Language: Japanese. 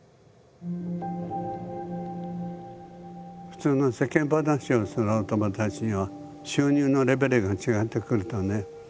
普通の世間話をするお友達には収入のレベルが違ってくるとね